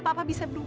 papa bisa berubah